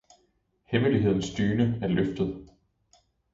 Hemmelighedens dyne er løftet.